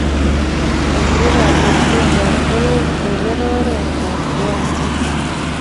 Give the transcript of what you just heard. Kasupik ab post rangers koker oret ab kiwanjet